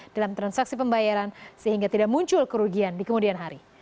dalam transaksi pembayaran sehingga tidak muncul kerugian di kemudian hari